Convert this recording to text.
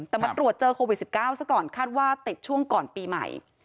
แต่มาตรวจเจอโควิด๑๙ซะก่อนคาดว่าติดช่วงก่อนปีใหม่